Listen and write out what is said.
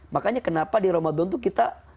makanya kenapa di ramadan tuh kita